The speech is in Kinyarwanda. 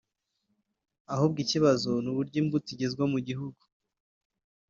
ahubwo ikibazo ni uburyo imbuto igezwa mu gihugu